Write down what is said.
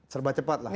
serba cepat lah